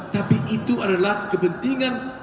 tapi itu adalah kepentingan